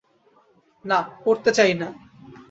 না, পড়তে চাই না।